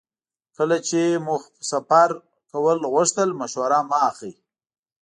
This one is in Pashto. کله چې مو سفر کول غوښتل مشوره مه اخلئ.